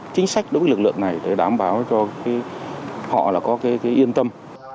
chính sách đối với lực lượng này để đảm bảo cho họ là có yên tâm